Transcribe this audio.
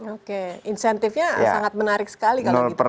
oke insentifnya sangat menarik sekali